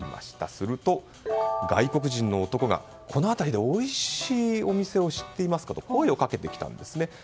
すると、外国人の男がこの辺りでおいしいお店を知っていますか？と声をかけてきたんですね。